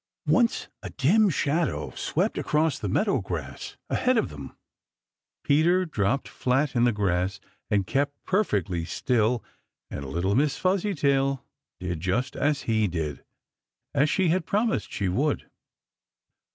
Once a dim shadow swept across the meadow grass ahead of them. Peter dropped flat in the grass and kept perfectly still, and little Miss Fuzzytail did just as he did, as she had promised she would.